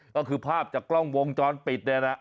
ก็คือภาพจากกล้องวงจรปิดเนี่ยนะ